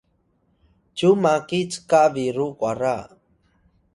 cyu maki cka biru kwara